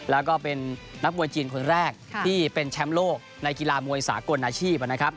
แล้วก็เป็นนักมวยจีนคนแรกที่เป็นแชมป์โลกในกีฬามวยสากลอาชีพนะครับ